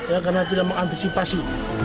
ya karena tidak mengantisipasi